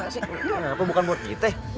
kenapa bukan buat gita